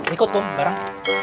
ikut kum barang